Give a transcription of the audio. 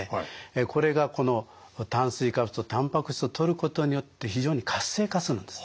これがこの炭水化物とたんぱく質をとることによって非常に活性化するんです。